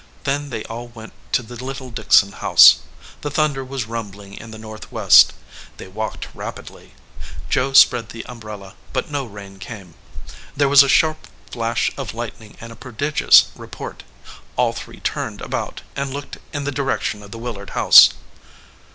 Then they all went away to the little Dickson house. The thunder was rumbling in the northwest. They walked rapidly. Joe spread the umbrella, but no rain came. There was a sharp flash of lightning and a prodigious report. All three turned about and looked in the direction of the Willard house.